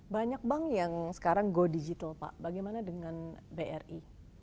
banyak bank yang sekarang go digital pak bagaimana dengan bri